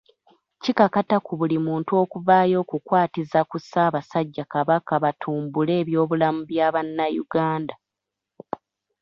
Kikakata ku buli muntu okuvaayo okukwatiza ku Ssaabasajja Kabaka batumbule ebyobulamu bya Bannayuganda.